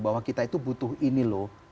bahwa kita itu butuh ini loh